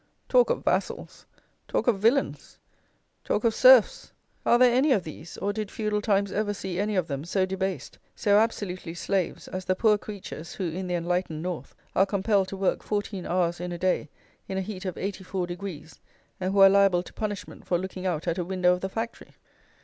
Talk of vassals! Talk of villains! Talk of serfs! Are there any of these, or did feudal times ever see any of them, so debased, so absolutely slaves, as the poor creatures who, in the "enlightened" North, are compelled to work fourteen hours in a day, in a heat of eighty four degrees; and who are liable to punishment for looking out at a window of the factory!